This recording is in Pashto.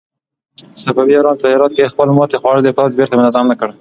صفوي ایران په هرات کې خپل ماتې خوړلی پوځ بېرته منظم نه کړ.